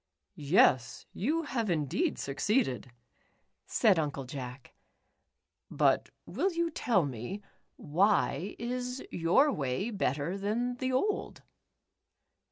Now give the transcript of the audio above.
"Yes, you have indeed succeeded," said Uncle Jack, "but will you tell me, why is your way better than the old